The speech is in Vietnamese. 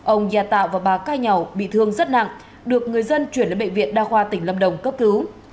ông gia tạo và bà cai nhậu bị thương rất nặng được người dân chuyển đến bệnh viện đa khoa tỉnh lâm đồng cấp cứu